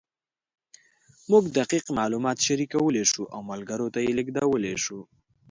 موږ دقیق معلومات شریکولی شو او ملګرو ته یې لېږدولی شو.